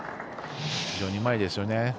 非常にうまいですよね。